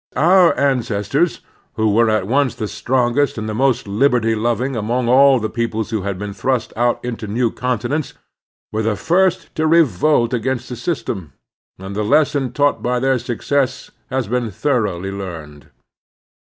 Our ancestors, who were at once the strongest and the most liberty loving among all the peoples who had been thrust out into new con tinents, were the first to revolt against this system ; and the lesson taught by their success has been thoroughly learned.